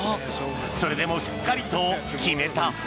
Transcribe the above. それでもしっかりと決めた。